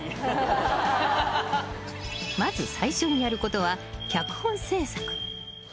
［まず最初にやることは脚本制作］